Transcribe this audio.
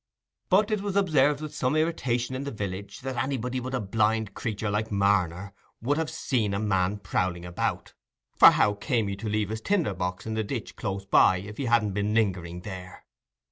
But it was observed with some irritation in the village, that anybody but a "blind creatur" like Marner would have seen the man prowling about, for how came he to leave his tinder box in the ditch close by, if he hadn't been lingering there?